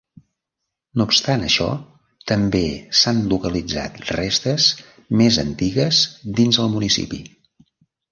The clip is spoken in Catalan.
No obstant això, també s'han localitzat restes més antigues dins el municipi.